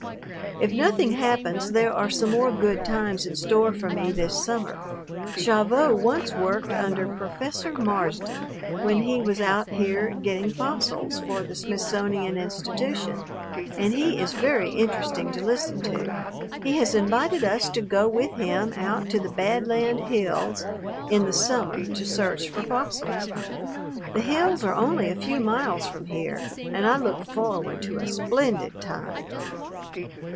If nothing happens there are some more good times in store for me this summer. Gavotte once worked under Professor Marsden when he was out here getting fossils for the Smithsonian Institution, and he is very interesting to listen to. He has invited us to go with him out to the Bad Land hills in the summer to search for fossils. The hills are only a few miles from here and I look forward to a splendid time.